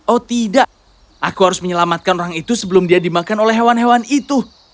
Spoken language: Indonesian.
oh tidak aku harus menyelamatkan orang itu sebelum dia dimakan oleh hewan hewan itu